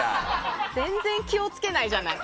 全然、気を付けないじゃない。